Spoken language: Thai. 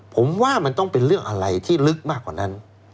ผมว่ามันต้องเป็นเรื่องอะไรที่ลึกมากกว่านั้น